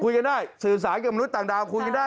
คุยกันได้สื่อสารกับมนุษย์ต่างดาวคุยกันได้